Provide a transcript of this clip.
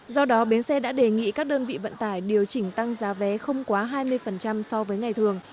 do đó bến xe đã đề nghị các đơn vị vận tải điều chỉnh tăng giá vé không quá hai mươi so với ngày thường